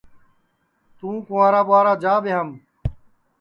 توں کِنٚوارا ٻُورا جا ٻیاںٚم